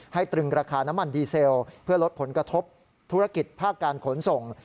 ตรึงราคาน้ำมันดีเซลเพื่อลดผลกระทบธุรกิจภาคการขนส่ง